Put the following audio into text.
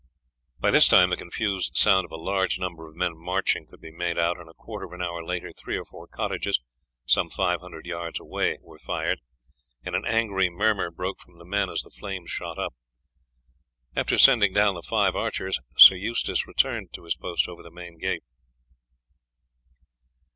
By this time the confused sound of a large number of men marching could be made out, and a quarter of an hour later three or four cottages, some five hundred yards away, were fired, and an angry murmur broke from the men as the flames shot up. After sending down the five archers, Sir Eustace returned to his post over the main gate.